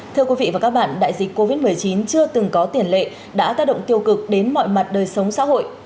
thưa quý vị và các bạn đại dịch covid một mươi chín chưa từng có tiền lệ đã tác động tiêu cực đến mọi mặt đời sống xã hội